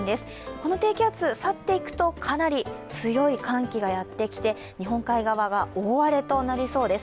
この低気圧が去って行くとかなり強い寒気がやってきて、日本海側は大荒れとなりそうです。